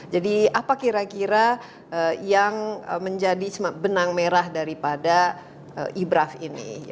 jadi apa kira kira yang menjadi benang merah daripada ibrah ini